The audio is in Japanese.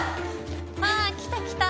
あ来た来た。